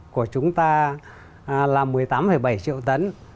của chúng ta là một mươi tám bảy triệu tấn